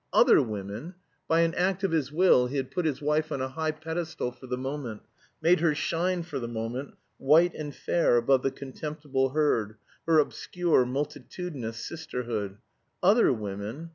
Other women! By an act of his will he had put his wife on a high pedestal for the moment made her shine, for the moment, white and fair above the contemptible herd, her obscure multitudinous sisterhood. Other women!